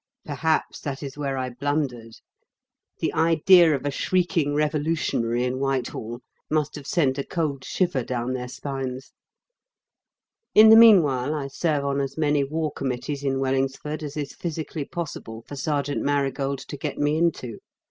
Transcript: Perhaps that is where I blundered. The idea of a shrieking revolutionary in Whitehall must have sent a cold shiver down their spines. In the meanwhile, I serve on as many War Committees in Wellingsford as is physically possible for Sergeant Marigold to get me into.